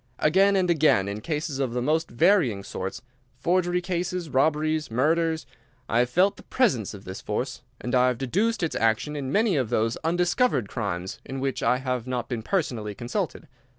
Again and again in cases of the most varying sorts—forgery cases, robberies, murders—I have felt the presence of this force, and I have deduced its action in many of those undiscovered crimes in which I have not been personally consulted.